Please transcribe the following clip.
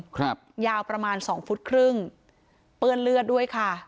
ครับยาวประมาณสองฟุตครึ่งเปื้อนเลือดด้วยค่ะ